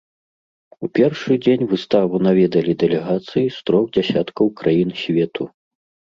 У першы дзень выставу наведалі дэлегацыі з трох дзясяткаў краін свету.